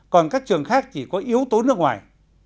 còn các trường khác chỉ có yếu tố nước ngoài